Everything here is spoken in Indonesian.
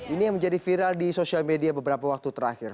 ini yang menjadi viral di sosial media beberapa waktu terakhir